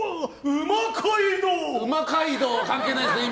うま街道は関係ないですね。